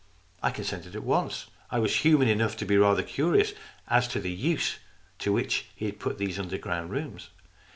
I consented at once. I was human enough to be rather curious as to the use to which he had put these underground rooms.